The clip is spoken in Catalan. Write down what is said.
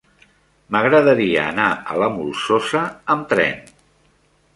M'agradaria anar a la Molsosa amb tren.